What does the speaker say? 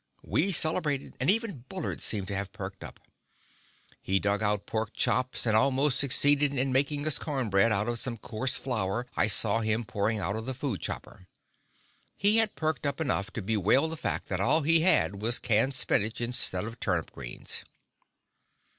We celebrated, and even Bullard seemed to have perked up. He dug out pork chops and almost succeeded in making us cornbread out of some coarse flour I saw him pouring out of the food chopper. He had perked up enough to bewail the fact that all he had was canned spinach instead of turnip greens.